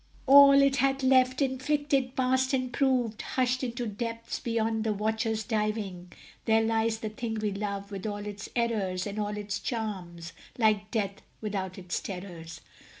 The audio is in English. All it hath felt, inflicted, passed, and proved, Hushed into depths beyond the watcher's diving: There lies the thing we love, with all its errors And all its charms, like death without its terrors.